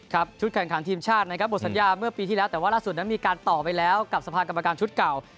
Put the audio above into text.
ชุดแข่งขันทีมชาตินะครับหมดสัญญาเมื่อปีที่แล้วแต่ว่าล่าสุดนั้นมีการต่อไปแล้วกับสภากรรมการชุดเก่า